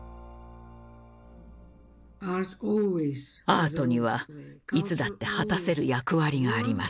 アートにはいつだって果たせる役割があります。